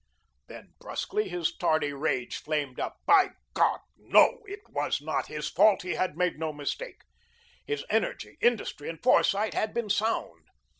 Then brusquely his tardy rage flamed up. By God, NO, it was not his fault; he had made no mistake. His energy, industry, and foresight had been sound.